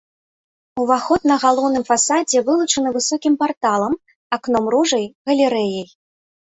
Уваход на галоўным фасадзе вылучаны высокім парталам, акном-ружай, галерэяй.